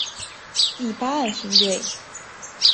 第八岸巡队